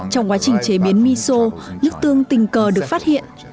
trong quá trình chế biến miso nước tương tình cờ được phát hiện